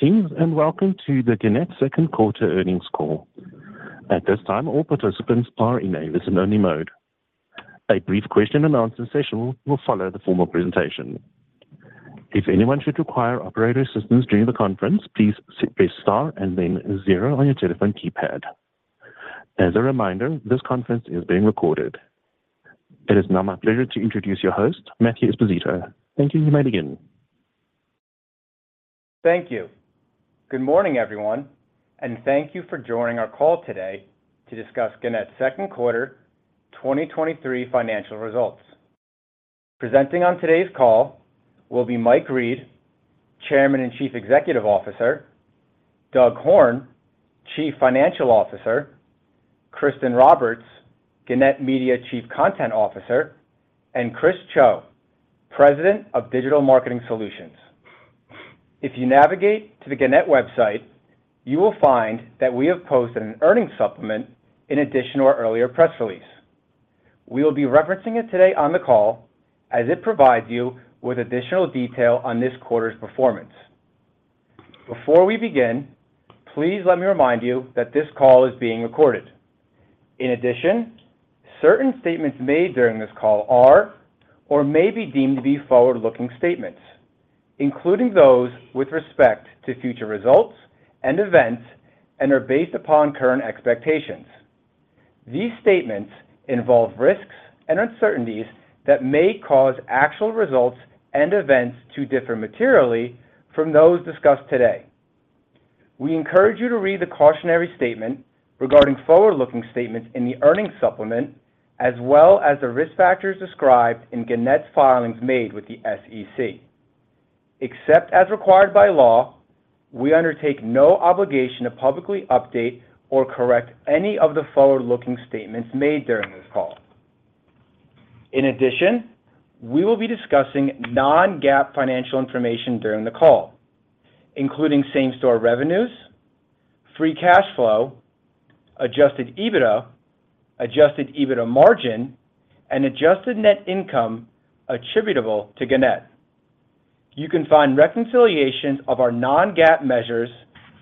Greetings, and welcome to the Gannett Q2 Earnings Call. At this time, all participants are in listen-only mode. A brief question and answer session will follow the formal presentation. If anyone should require operator assistance during the conference, please press Star and then zero on your telephone keypad. As a reminder, this conference is being recorded. It is now my pleasure to introduce your host, Matthew Esposito. Thank you. You may begin. Thank you. Good morning, everyone, and thank you for joining our call today to discuss Gannett's Q2 2023 financial results. Presenting on today's call will be Mike Reed, Chairman and Chief Executive Officer, Doug Horne, Chief Financial Officer, Kristin Roberts, Gannett Media Chief Content Officer, and Chris Cho, President of Digital Marketing Solutions. If you navigate to the Gannett website, you will find that we have posted an earnings supplement in addition to our earlier press release. We will be referencing it today on the call as it provides you with additional detail on this quarter's performance. Before we begin, please let me remind you that this call is being recorded. In addition, certain statements made during this call are or may be deemed to be forward-looking statements, including those with respect to future results and events, and are based upon current expectations. These statements involve risks and uncertainties that may cause actual results and events to differ materially from those discussed today. We encourage you to read the cautionary statement regarding forward-looking statements in the earnings supplement, as well as the risk factors described in Gannett's filings made with the SEC. Except as required by law, we undertake no obligation to publicly update or correct any of the forward-looking statements made during this call. In addition, we will be discussing non-GAAP financial information during the call, including Same store revenues, free cash flow, adjusted EBITDA, adjusted EBITDA margin, and adjusted net income attributable to Gannett. You can find reconciliations of our non-GAAP measures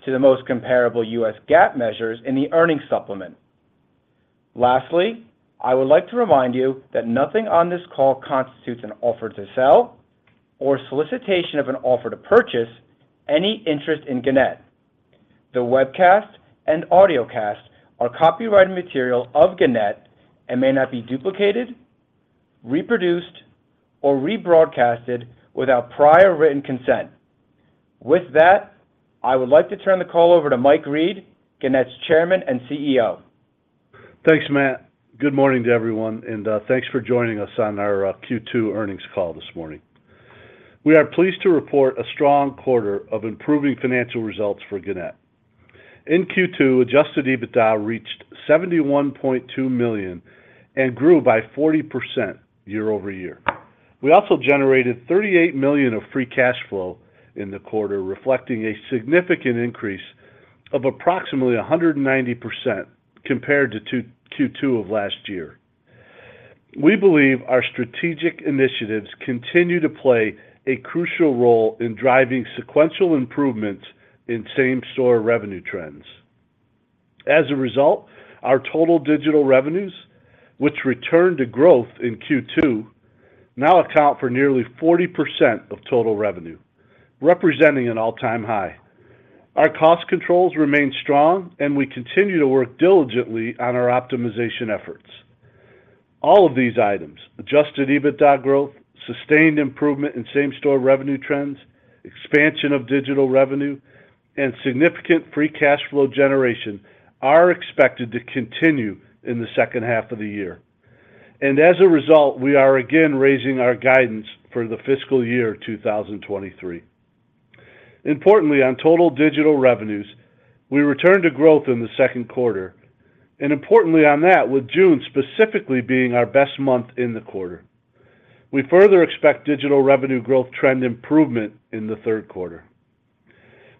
to the most comparable U.S. GAAP measures in the earnings supplement. Lastly, I would like to remind you that nothing on this call constitutes an offer to sell or solicitation of an offer to purchase any interest in Gannett. The webcast and audiocast are copyrighted material of Gannett and may not be duplicated, reproduced, or rebroadcast without prior written consent. With that, I would like to turn the call over to Mike Reed, Gannett's Chairman and CEO. Thanks, Matt. Good morning to everyone, and thanks for joining us on our Q2 earnings call this morning. We are pleased to report a strong quarter of improving financial results for Gannett. In Q2, adjusted EBITDA reached $71.2 million and grew by 40% year-over-year. We also generated $38 million of free cash flow in the quarter, reflecting a significant increase of approximately 190% compared to Q2 of last year. We believe our strategic initiatives continue to play a crucial role in driving sequential improvements in same store revenues trends. As a result, our total digital revenues, which returned to growth in Q2, now account for nearly 40% of total revenue, representing an all-time high. Our cost controls remain strong, and we continue to work diligently on our optimization efforts. All of these items, adjusted EBITDA growth, sustained improvement in same store revenues trends, expansion of digital revenue, and significant free cash flow generation, are expected to continue in the H2 of the year, and as a result, we are again raising our guidance for the fiscal year 2023. Importantly, on total digital revenues, we returned to growth in the Q2, and importantly on that, with June specifically being our best month in the quarter. We further expect digital revenue growth trend improvement in the Q3.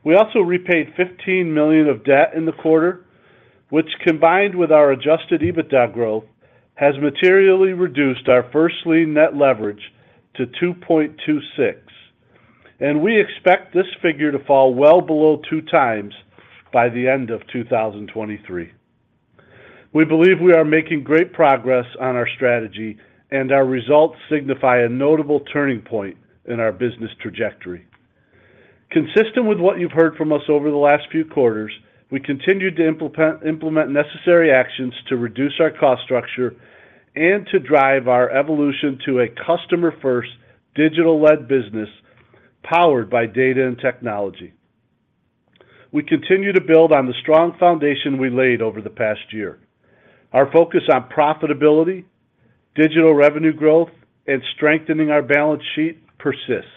We also repaid $15 million of debt in the quarter, which, combined with our adjusted EBITDA growth, has materially reduced our first-lien net leverage to 2.26, and we expect this figure to fall well below 2x by the end of 2023. We believe we are making great progress on our strategy. Our results signify a notable turning point in our business trajectory. Consistent with what you've heard from us over the last few quarters, we continued to implement necessary actions to reduce our cost structure and to drive our evolution to a customer-first, digital-led business powered by data and technology. We continue to build on the strong foundation we laid over the past year. Our focus on profitability, digital revenue growth, and strengthening our balance sheet persists.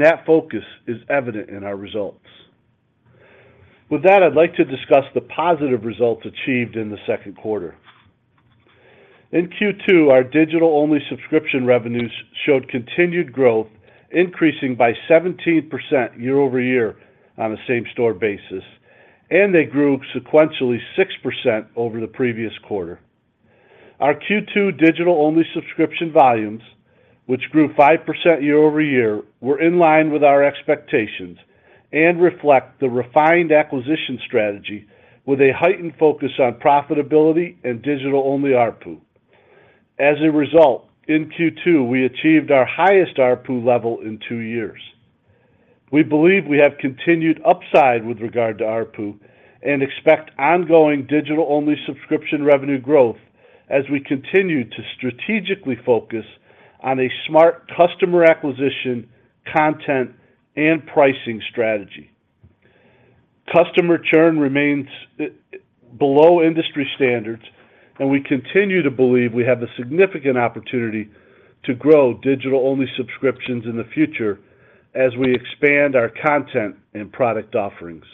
That focus is evident in our results. With that, I'd like to discuss the positive results achieved in the Q2. In Q2, our digital-only subscription revenues showed continued growth, increasing by 17% year-over-year on a same-store basis. They grew sequentially 6% over the previous quarter. Our Q2 digital-only subscription volumes, which grew 5% year-over-year, were in line with our expectations and reflect the refined acquisition strategy with a heightened focus on profitability and digital-only ARPU. As a result, in Q2, we achieved our highest ARPU level in two years. We believe we have continued upside with regard to ARPU and expect ongoing digital-only subscription revenue growth as we continue to strategically focus on a smart customer acquisition, content, and pricing strategy. Customer churn remains below industry standards, and we continue to believe we have a significant opportunity to grow digital-only subscriptions in the future as we expand our content and product offerings.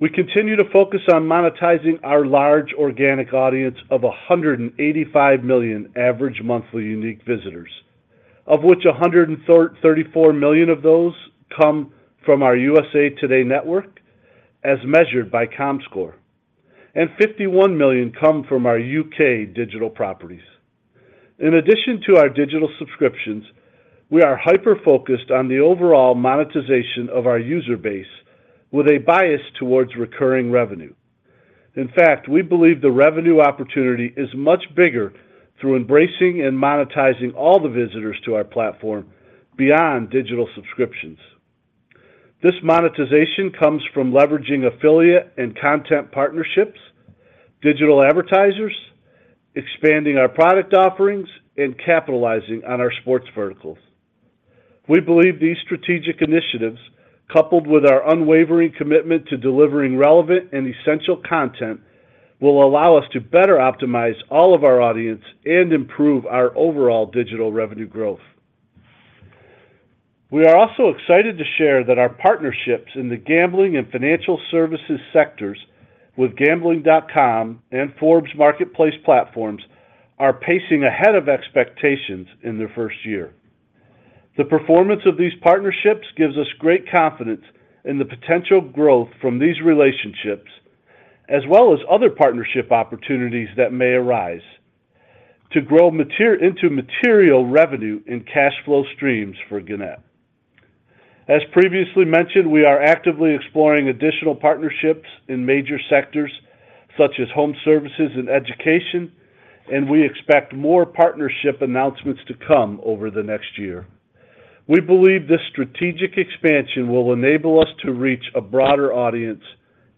We continue to focus on monetizing our large organic audience of 185 million average monthly unique visitors, of which 134 million of those come from our USA TODAY NETWORK, as measured by Comscore, and 51 million come from our U.K. digital properties. In addition to our digital subscriptions, we are hyper-focused on the overall monetization of our user base with a bias towards recurring revenue. In fact, we believe the revenue opportunity is much bigger through embracing and monetizing all the visitors to our platform beyond digital subscriptions. This monetization comes from leveraging affiliate and content partnerships, digital advertisers, expanding our product offerings, and capitalizing on our sports verticals. We believe these strategic initiatives, coupled with our unwavering commitment to delivering relevant and essential content, will allow us to better optimize all of our audience and improve our overall digital revenue growth. We are also excited to share that our partnerships in the gambling and financial services sectors with Gambling.com and Forbes Marketplace platforms are pacing ahead of expectations in their first year. The performance of these partnerships gives us great confidence in the potential growth from these relationships, as well as other partnership opportunities that may arise to grow into material revenue and cash flow streams for Gannett. As previously mentioned, we are actively exploring additional partnerships in major sectors such as home services and education, and we expect more partnership announcements to come over the next year. We believe this strategic expansion will enable us to reach a broader audience,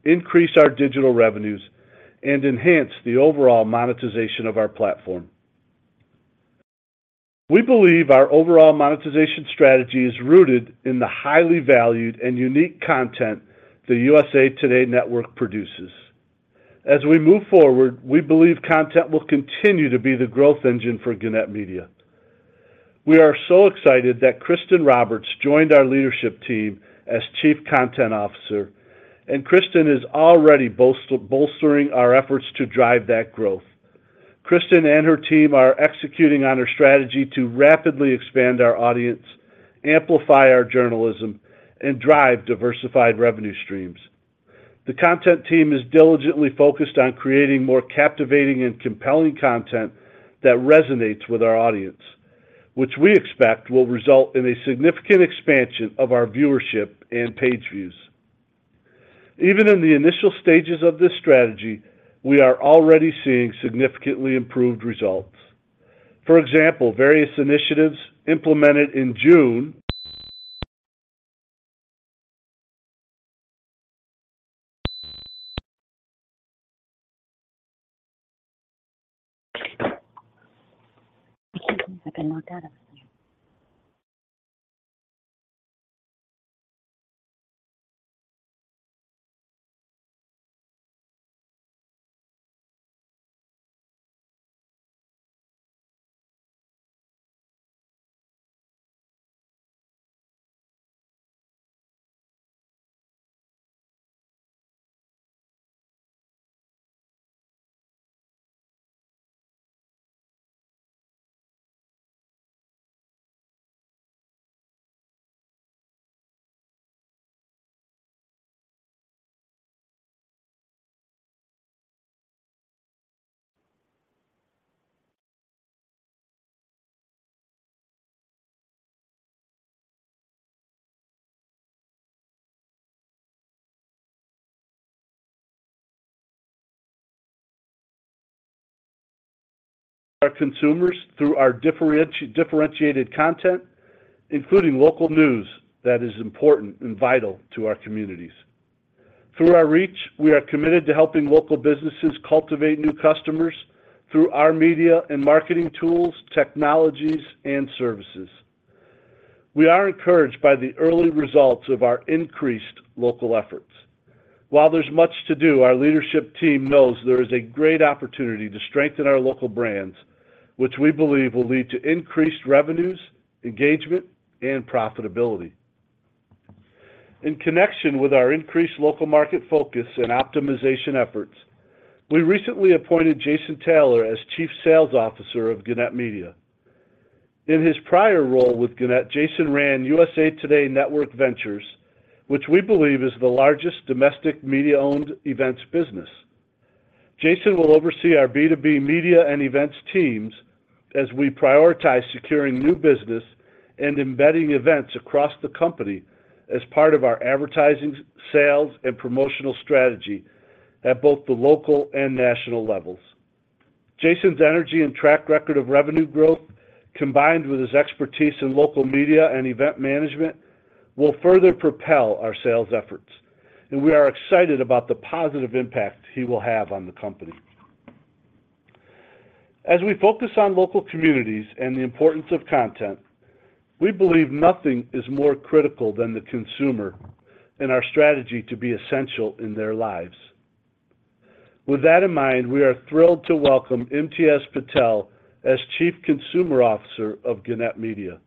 increase our digital revenues, and enhance the overall monetization of our platform. We believe our overall monetization strategy is rooted in the highly valued and unique content the USA TODAY NETWORK produces. As we move forward, we believe content will continue to be the growth engine for Gannett Media. We are so excited that Kristin Roberts joined our leadership team as Chief Content Officer, and Kristin is already bolstering our efforts to drive that growth. Kristin and her team are executing on our strategy to rapidly expand our audience, amplify our journalism, and drive diversified revenue streams. The content team is diligently focused on creating more captivating and compelling content that resonates with our audience, which we expect will result in a significant expansion of our viewership and page views. Even in the initial stages of this strategy, we are already seeing significantly improved results. For example, various initiatives implemented in June 2023. I can't believe I've been locked out of everything. Our consumers through our differentiated content, including local news that is important and vital to our communities. Through our reach, we are committed to helping local businesses cultivate new customers through our media and marketing tools, technologies, and services. We are encouraged by the early results of our increased local efforts. While there's much to do, our leadership team knows there is a great opportunity to strengthen our local brands, which we believe will lead to increased revenues, engagement, and profitability. In connection with our increased local market focus and optimization efforts, we recently appointed Jason Taylor as Chief Sales Officer of Gannett Media. In his prior role with Gannett, Jason ran USA TODAY NETWORK Ventures, which we believe is the largest domestic media-owned events business. Jason will oversee our B2B media and events teams as we prioritize securing new business and embedding events across the company as part of our advertising, sales, and promotional strategy at both the local and national levels. Jason's energy and track record of revenue growth, combined with his expertise in local media and event management, will further propel our sales efforts, and we are excited about the positive impact he will have on the company. As we focus on local communities and the importance of content, we believe nothing is more critical than the consumer and our strategy to be essential in their lives. With that in mind, we are thrilled to welcome Imtiaz Patel as Chief Consumer Officer of Gannett Media.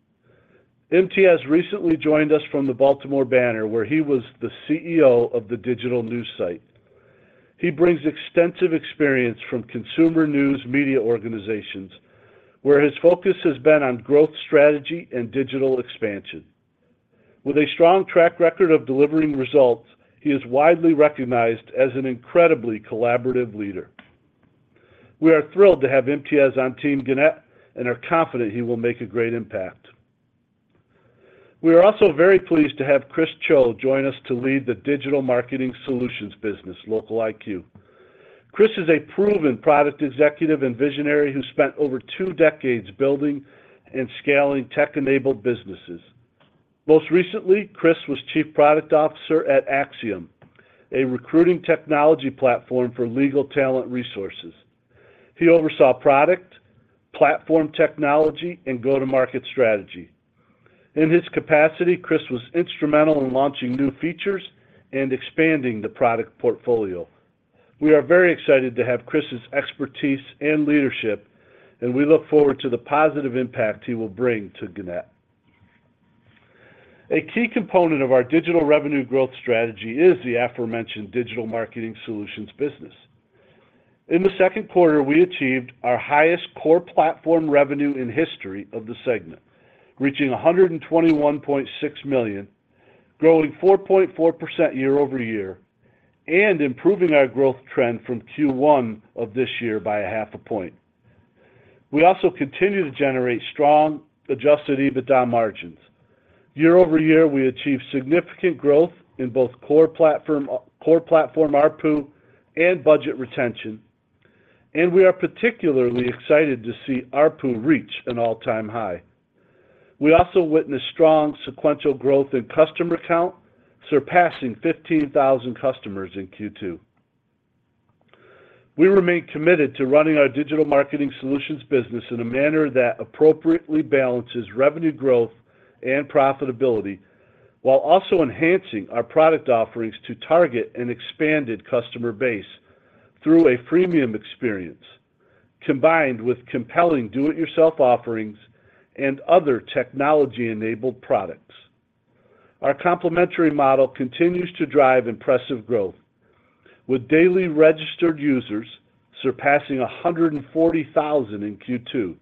Imtiaz recently joined us from The Baltimore Banner, where he was the CEO of the digital news site. He brings extensive experience from consumer news media organizations, where his focus has been on growth, strategy, and digital expansion. With a strong track record of delivering results, he is widely recognized as an incredibly collaborative leader. We are thrilled to have Imtiaz on Team Gannett and are confident he will make a great impact. We are also very pleased to have Chris Cho join us to lead the Digital Marketing Solutions business, LocaliQ. Chris is a proven product executive and visionary who spent over two decades building and scaling tech-enabled businesses. Most recently, Chris was Chief Product Officer at Axiom, a recruiting technology platform for legal talent resources. He oversaw product, platform technology, and go-to-market strategy. In his capacity, Chris was instrumental in launching new features and expanding the product portfolio. We are very excited to have Chris's expertise and leadership, and we look forward to the positive impact he will bring to Gannett. A key component of our digital revenue growth strategy is the aforementioned Digital Marketing Solutions business. In the Q2, we achieved our highest core platform revenue in history of the segment, reaching $121.6 million, growing 4.4% year-over-year, and improving our growth trend from Q1 of this year by a half a point. We also continue to generate strong adjusted EBITDA margins. Year-over-year, we achieved significant growth in both core platform, core platform ARPU and budget retention, and we are particularly excited to see ARPU reach an all-time high. We also witnessed strong sequential growth in customer count, surpassing 15,000 customers in Q2. We remain committed to running our Digital Marketing Solutions business in a manner that appropriately balances revenue growth and profitability, while also enhancing our product offerings to target an expanded customer base through a freemium experience, combined with compelling do-it-yourself offerings and other technology-enabled products. Our complementary model continues to drive impressive growth, with daily registered users surpassing 140,000 in Q2.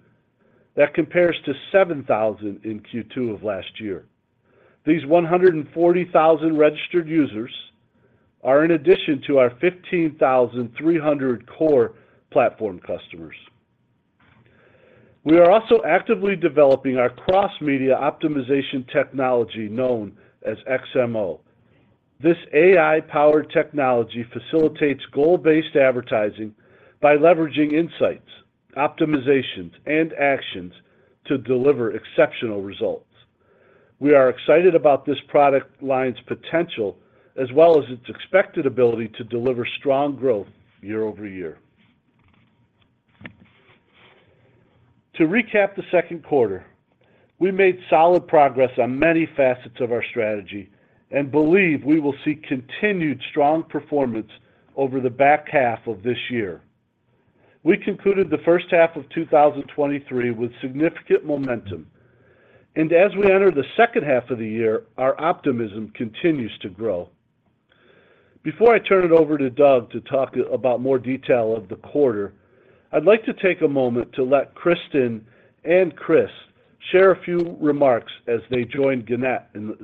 That compares to 7,000 in Q2 of last year. These 140,000 registered users are in addition to our 15,300 core platform customers. We are also actively developing our cross-media optimization technology, known as XMO. This AI-powered technology facilitates goal-based advertising by leveraging insights, optimizations, and actions to deliver exceptional results. We are excited about this product line's potential, as well as its expected ability to deliver strong growth year-over-year. To recap the Q2, we made solid progress on many facets of our strategy and believe we will see continued strong performance over the back half of this year. We concluded the H1 of 2023 with significant momentum. As we enter the H2 of the year, our optimism continues to grow. Before I turn it over to Doug to talk about more detail of the quarter, I'd like to take a moment to let Kristin and Chris share a few remarks as they joined Gannett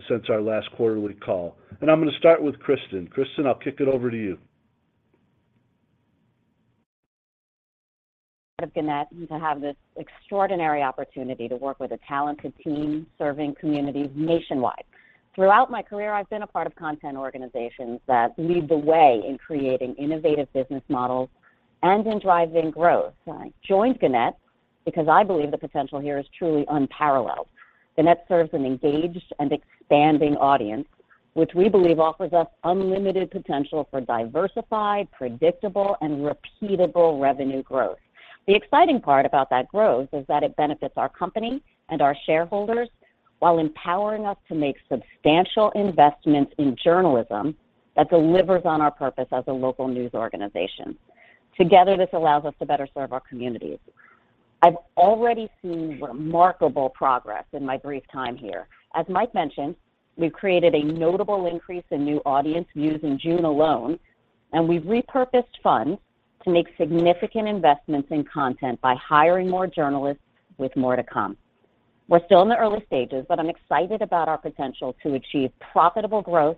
since our last quarterly call. I'm going to start with Kristin. Kristin, I'll kick it over to you. Of Gannett and to have this extraordinary opportunity to work with a talented team serving communities nationwide. Throughout my career, I've been a part of content organizations that lead the way in creating innovative business models and in driving growth. I joined Gannett because I believe the potential here is truly unparalleled. Gannett serves an engaged and expanding audience, which we believe offers us unlimited potential for diversified, predictable, and repeatable revenue growth. The exciting part about that growth is that it benefits our company and our shareholders, while empowering us to make substantial investments in journalism that delivers on our purpose as a local news organization. Together, these allows us to better serve our communities. I've already seen remarkable progress in my brief time here. As Mike mentioned, we've created a notable increase in new audience views in June alone, and we've repurposed funds-... to make significant investments in content by hiring more journalists with more to come. We're still in the early stages, but I'm excited about our potential to achieve profitable growth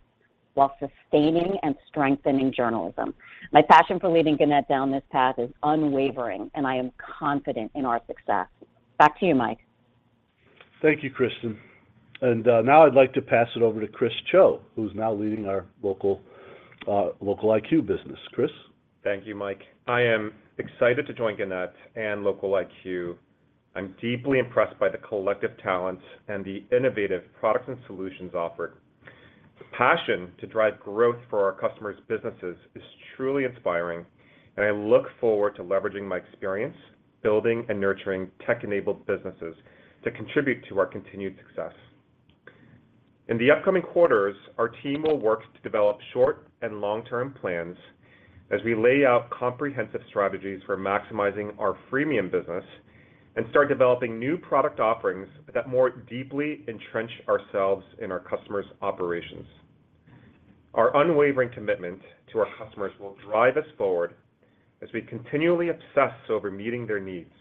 while sustaining and strengthening journalism. My passion for leading Gannett down this path is unwavering, and I am confident in our success. Back to you, Mike. Thank you, Kristin. Now I'd like to pass it over to Chris Cho, who's now leading our local, LocaliQ business. Chris? Thank you, Mike. I am excited to join Gannett and LocaliQ. I'm deeply impressed by the collective talents and the innovative products and solutions offered. The passion to drive growth for our customers' businesses is truly inspiring, and I look forward to leveraging my experience, building and nurturing tech-enabled businesses to contribute to our continued success. In the upcoming quarters, our team will work to develop short and long-term plans as we lay out comprehensive strategies for maximizing our freemium business and start developing new product offerings that more deeply entrench ourselves in our customers' operations. Our unwavering commitment to our customers will drive us forward as we continually obsess over meeting their needs.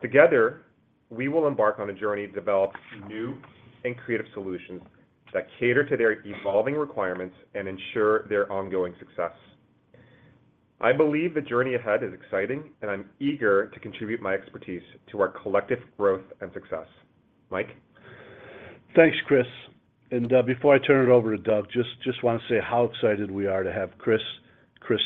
Together, we will embark on a journey to develop new and creative solutions that cater to their evolving requirements and ensure their ongoing success. I believe the journey ahead is exciting, and I'm eager to contribute my expertise to our collective growth and success. Mike? Thanks, Chris. Before I turn it over to Doug, I just wanna say how excited we are to have Chris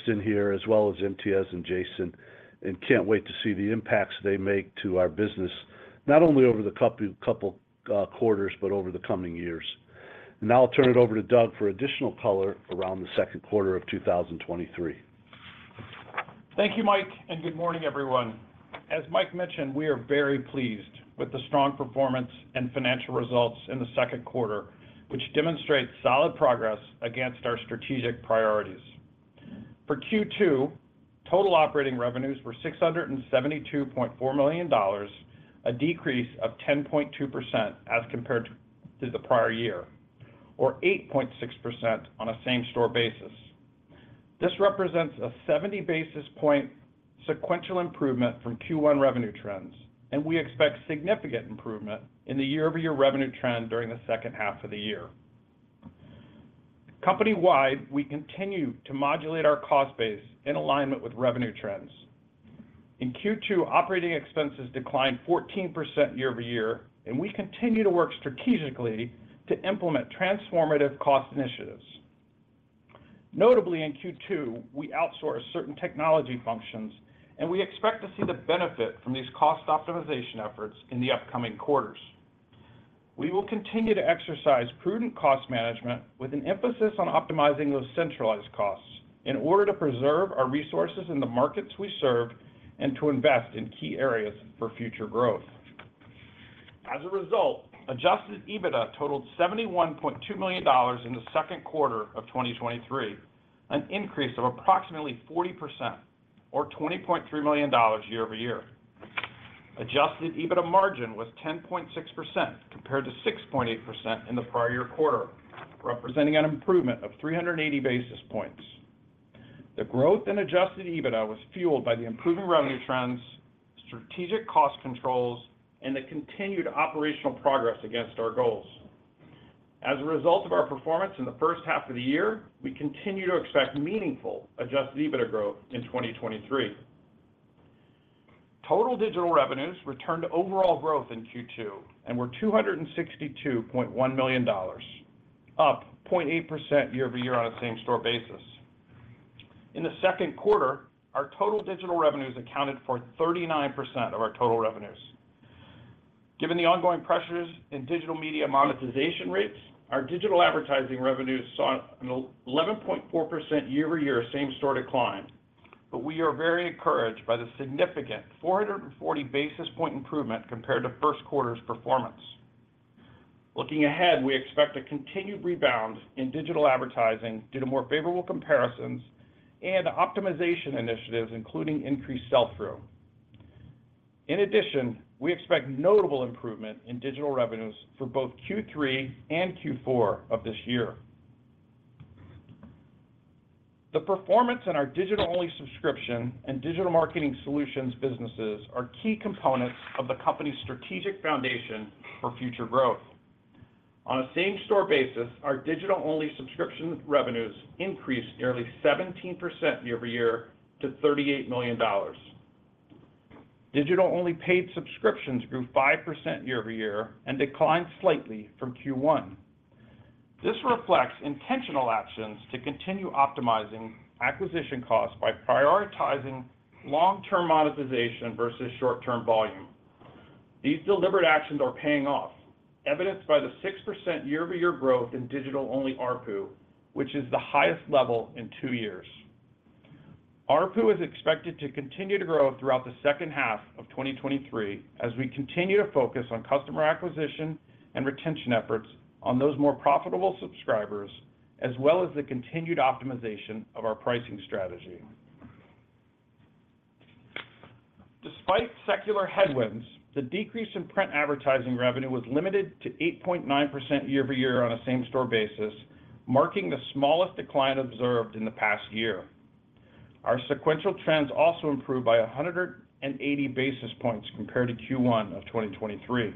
and Kristin, as well as Imtiaz Patel and Jason. We can't wait to see the impacts they make to our business, not only over the couple, quarters, but over the coming years. Now I'll turn it over to Doug for additional color around the Q2 of 2023. Thank you, Mike, and good morning, everyone. As Mike mentioned, we are very pleased with the strong performance and financial results in the Q2, which demonstrates solid progress against our strategic priorities. For Q2, total operating revenues were $672.4 million, a decrease of 10.2% as compared to the prior year, or 8.6% on a same-store basis. This represents a 70 basis point sequential improvement from Q1 revenue trends, and we expect significant improvement in the year-over-year revenue trend during the H2 of the year. Company-wide, we continue to modulate our cost base in alignment with revenue trends. In Q2, operating expenses declined 14% year-over-year, and we continue to work strategically to implement transformative cost initiatives. Notably, in Q2, we outsourced certain technology functions, and we expect to see the benefit from these cost optimization efforts in the upcoming quarters. We will continue to exercise prudent cost management with an emphasis on optimizing those centralized costs in order to preserve our resources in the markets we serve and to invest in key areas for future growth. As a result, adjusted EBITDA totaled $71.2 million in the Q2 of 2023, an increase of approximately 40% or $20.3 million year-over-year. Adjusted EBITDA margin was 10.6%, compared to 6.8% in the prior year quarter, representing an improvement of 380 basis points. The growth in adjusted EBITDA was fueled by the improving revenue trends, strategic cost controls, and the continued operational progress against our goals. As a result of our performance in the H1 of the year, we continue to expect meaningful adjusted EBITDA growth in 2023. Total digital revenues returned to overall growth in Q2 and were $262.1 million, up 0.8% year-over-year on a same-store basis. In the Q2, our total digital revenues accounted for 39% of our total revenues. Given the ongoing pressures in digital media monetization rates, our digital advertising revenues saw an 11.4% year-over-year same-store decline. We are very encouraged by the significant 440 basis point improvement compared to Q1's performance. Looking ahead, we expect a continued rebound in digital advertising due to more favorable comparisons and optimization initiatives, including increased sell-through. In addition, we expect notable improvement in digital revenues for both Q3 and Q4 of this year. The performance in our digital-only subscription and digital marketing solutions businesses are key components of the company's strategic foundation for future growth. On a same-store basis, our digital-only subscription revenues increased nearly 17% year-over-year to $38 million. Digital-only paid subscriptions grew 5% year-over-year and declined slightly from Q1. This reflects intentional actions to continue optimizing acquisition costs by prioritizing long-term monetization versus short-term volume. These deliberate actions are paying off, evidenced by the 6% year-over-year growth in digital-only ARPU, which is the highest level in two years. ARPU is expected to continue to grow throughout the H2 of 2023 as we continue to focus on customer acquisition and retention efforts on those more profitable subscribers, as well as the continued optimization of our pricing strategy. Despite secular headwinds, the decrease in print advertising revenue was limited to 8.9% year-over-year on a same-store basis, marking the smallest decline observed in the past year. Our sequential trends also improved by 180 basis points compared to Q1 of 2023.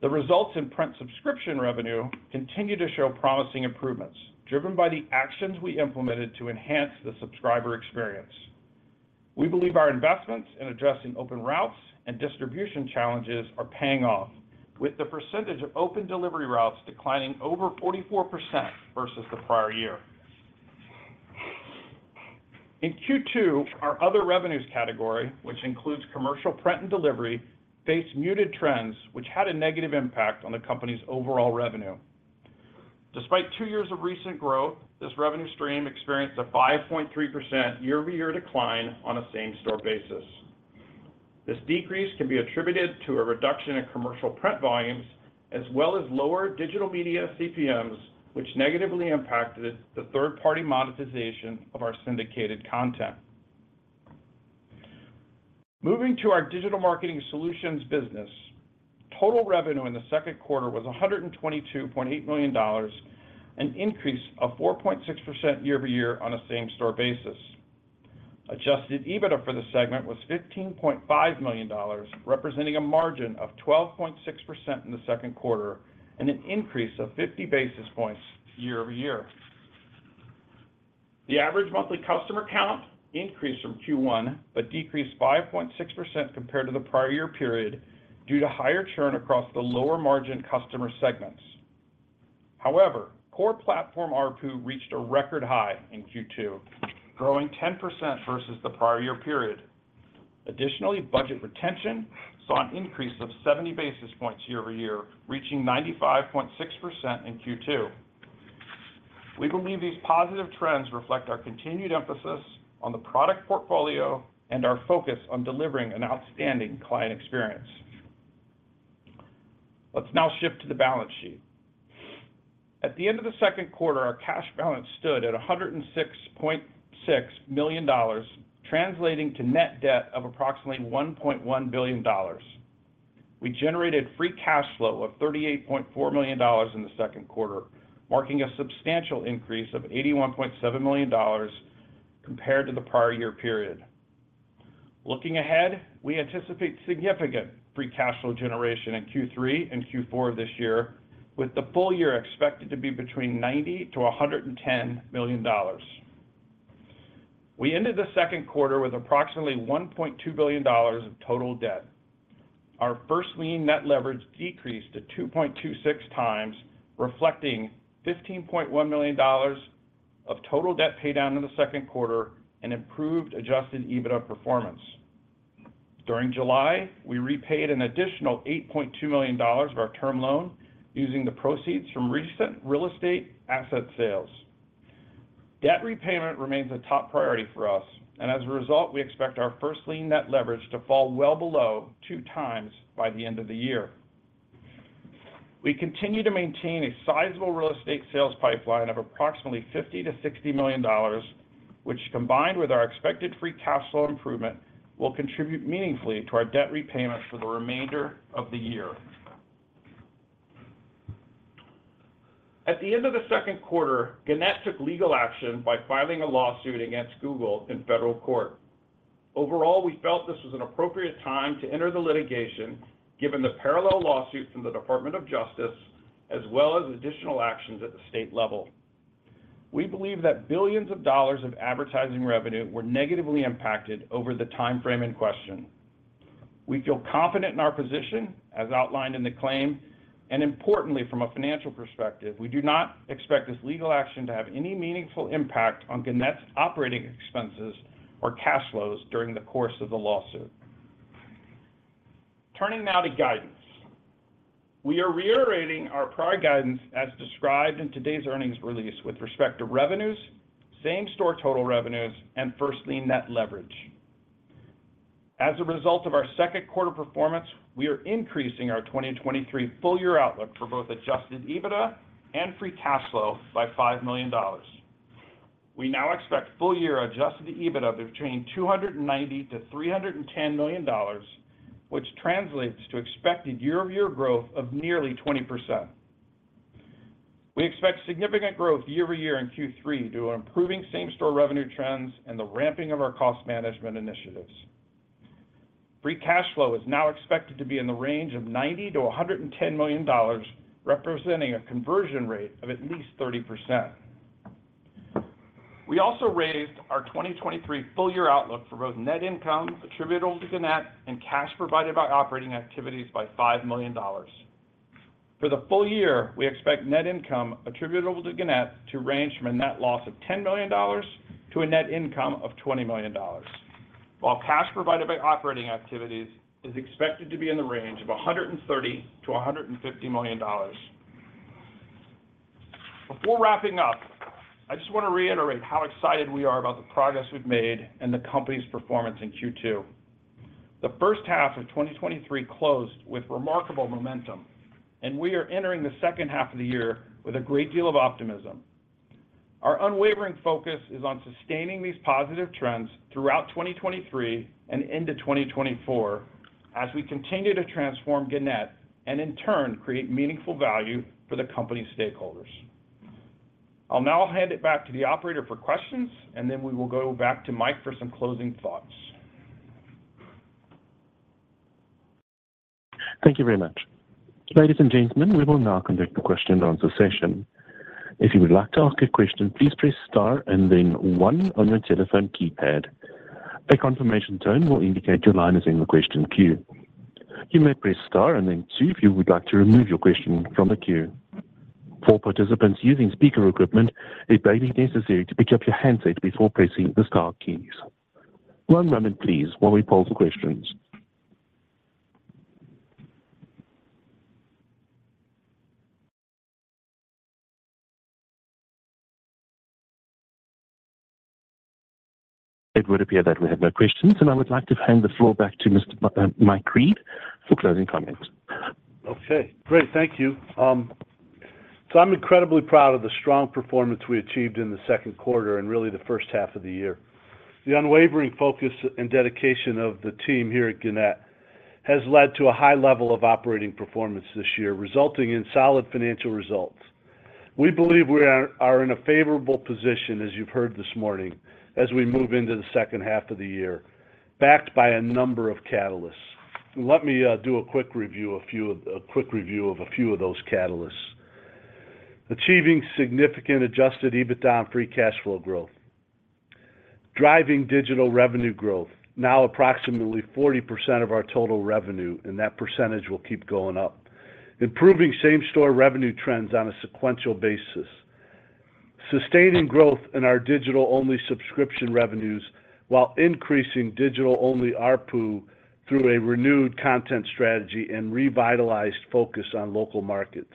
The results in print subscription revenue continue to show promising improvements, driven by the actions we implemented to enhance the subscriber experience. We believe our investments in addressing open routes and distribution challenges are paying off, with the percentage of open delivery routes declining over 44% versus the prior year. In Q2, our other revenues category, which includes commercial print and delivery, faced muted trends, which had a negative impact on the company's overall revenue. Despite 2 years of recent growth, this revenue stream experienced a 5.3% year-over-year decline on a same-store basis. This decrease can be attributed to a reduction in commercial print volumes, as well as lower digital media CPMs, which negatively impacted the third-party monetization of our syndicated content. Moving to our Digital Marketing Solutions business. Total revenue in the Q2 was $122.8 million, an increase of 4.6% year-over-year on a same-store basis. Adjusted EBITDA for the segment was $15.5 million, representing a margin of 12.6% in the Q2 and an increase of 50 basis points year-over-year. The average monthly customer count increased from Q1, but decreased 5.6% compared to the prior year period due to higher churn across the lower-margin customer segments. However, core platform ARPU reached a record high in Q2, growing 10% versus the prior year period. Additionally, budget retention saw an increase of 70 basis points year-over-year, reaching 95.6% in Q2. We believe these positive trends reflect our continued emphasis on the product portfolio and our focus on delivering an outstanding client experience. Let's now shift to the balance sheet. At the end of the Q2, our cash balance stood at $106.6 million, translating to net debt of approximately $1.1 billion. We generated free cash flow of $38.4 million in the Q2, marking a substantial increase of $81.7 million compared to the prior year period. Looking ahead, we anticipate significant free cash flow generation in Q3 and Q4 this year, with the full year expected to be between $90 million-$110 million. We ended the Q2 with approximately $1.2 billion of total debt. Our first-lien net leverage decreased to 2.26x, reflecting $15.1 million of total debt paydown in the Q2 and improved adjusted EBITDA performance. During July, we repaid an additional $8.2 million of our term loan using the proceeds from recent real estate asset sales. Debt repayment remains a top priority for us. As a result, we expect our first-lien net leverage to fall well below 2x by the end of the year. We continue to maintain a sizable real estate sales pipeline of approximately $50 million-$60 million, which, combined with our expected free cash flow improvement, will contribute meaningfully to our debt repayments for the remainder of the year. At the end of the Q2, Gannett took legal action by filing a lawsuit against Google in federal court. Overall, we felt this was an appropriate time to enter the litigation, given the parallel lawsuits from the Department of Justice, as well as additional actions at the state level. We believe that billions of dollars of advertising revenue were negatively impacted over the timeframe in question. We feel confident in our position, as outlined in the claim, and importantly, from a financial perspective, we do not expect this legal action to have any meaningful impact on Gannett's operating expenses or cash flows during the course of the lawsuit. Turning now to guidance. We are reiterating our prior guidance as described in today's earnings release with respect to revenues, same-store total revenues, and first-lien net leverage. As a result of our Q2 performance, we are increasing our 2023 full-year outlook for both adjusted EBITDA and free cash flow by $5 million. We now expect full-year adjusted EBITDA between $290 million-$310 million, which translates to expected year-over-year growth of nearly 20%. We expect significant growth year-over-year in Q3 due to improving same-store revenue trends and the ramping of our cost management initiatives. Free cash flow is now expected to be in the range of $90 million-$110 million, representing a conversion rate of at least 30%. We also raised our 2023 full-year outlook for both net income attributable to Gannett and cash provided by operating activities by $5 million. For the full year, we expect net income attributable to Gannett to range from a net loss of $10 million to a net income of $20 million, while cash provided by operating activities is expected to be in the range of $130 million-$150 million. Before wrapping up, I just want to reiterate how excited we are about the progress we've made and the company's performance in Q2. The H1 of 2023 closed with remarkable momentum. We are entering the H2 of the year with a great deal of optimism. Our unwavering focus is on sustaining these positive trends throughout 2023 and into 2024 as we continue to transform Gannett and in turn, create meaningful value for the company stakeholders. I'll now hand it back to the operator for questions, and then we will go back to Mike for some closing thoughts. Thank you very much. Ladies and gentlemen, we will now conduct the question and answer session. If you would like to ask a question, please press star and then one on your telephone keypad. A confirmation tone will indicate your line is in the question queue. You may press star and then two if you would like to remove your question from the queue. For participants using speaker equipment, it may be necessary to pick up your handset before pressing the star keys. One moment, please, while we pull the questions. It would appear that we have no questions, and I would like to hand the floor back to Mr. Mike Reed for closing comments. Okay, great. Thank you. I'm incredibly proud of the strong performance we achieved in the Q2 and really the H1 of the year. The unwavering focus and dedication of the team here at Gannett has led to a high level of operating performance this year, resulting in solid financial results. We believe we are in a favorable position, as you've heard this morning, as we move into the H2 of the year, backed by a number of catalysts. Let me do a quick review of a few of those catalysts. Achieving significant adjusted EBITDA and free cash flow growth. Driving digital revenue growth, now approximately 40% of our total revenue, and that percentage will keep going up. Improving same-store revenue trends on a sequential basis. Sustaining growth in our digital-only subscription revenues while increasing digital-only ARPU through a renewed content strategy and revitalized focus on local markets.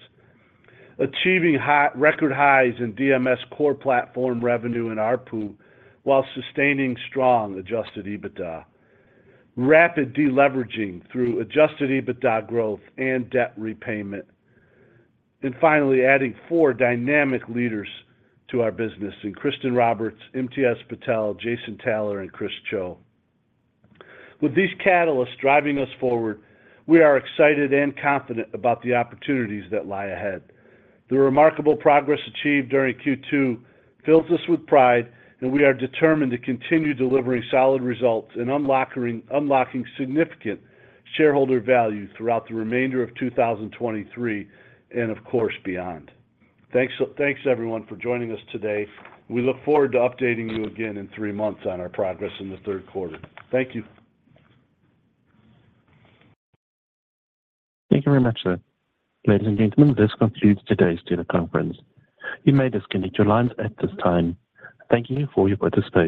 Achieving record highs in DMS core platform revenue and ARPU, while sustaining strong adjusted EBITDA. Rapid deleveraging through adjusted EBITDA growth and debt repayment. Finally, adding four dynamic leaders to our business in Kristin Roberts, Imtiaz Patel, Jason Taylor, and Chris Cho. With these catalysts driving us forward, we are excited and confident about the opportunities that lie ahead. The remarkable progress achieved during Q2 fills us with pride, and we are determined to continue delivering solid results and unlocking significant shareholder value throughout the remainder of 2023, and of course, beyond. Thanks, so thanks everyone, for joining us today. We look forward to updating you again in three months on our progress in the Q3. Thank you. Thank you very much, sir. Ladies and gentlemen, this concludes today's teleconference. You may disconnect your lines at this time. Thank you for your participation.